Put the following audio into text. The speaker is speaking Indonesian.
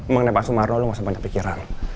mengenai pak sumarno lo gak usah banyak pikiran